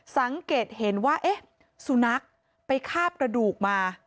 สังเกตเห็นว่าเอ๊ะสุนัขไปคาบกระดูกมา